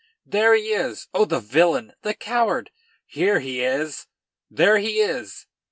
"There he is! oh, the villain! the coward! Here he is! There he is!"